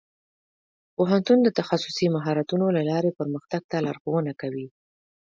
پوهنتون د تخصصي مهارتونو له لارې پرمختګ ته لارښوونه کوي.